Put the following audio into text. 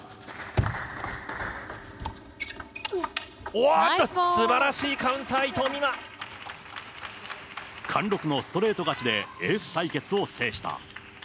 おわっと、すばらしいカウンター、貫禄のストレート勝ちで、エース対決を制した。